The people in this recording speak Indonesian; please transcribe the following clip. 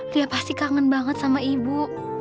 dia pasti kangen banget sama ibu